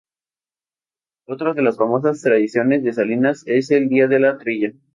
Otras de las famosas tradiciones de Salinas es el Día de la trilla.